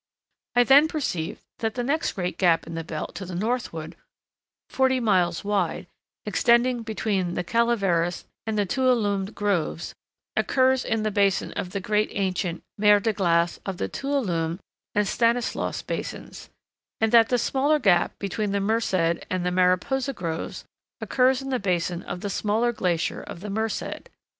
I then perceived that the next great gap in the belt to the northward, forty miles wide, extending between the Calaveras and Tuolumne groves, occurs in the basin of the great ancient mer de glace of the Tuolumne and Stanislaus basins, and that the smaller gap between the Merced and Mariposa groves occurs in the basin of the smaller glacier of the Merced.